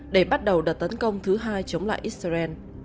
để bắt đầu đợt tấn công thứ hai chống lại israel